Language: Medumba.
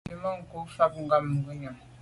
Tswemanko fo nkàb ngùyàm.